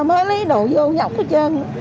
mới lấy đồ vô dọc hết trơn